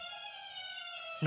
何？